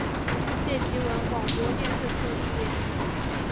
谢其文广播电视科毕业。